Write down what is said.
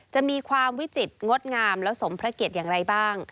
จะมีความวิจิตรงดงามและสมพระเกียรติอย่างไรบ้าง